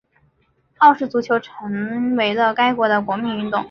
澳式足球成为了该国的国民运动。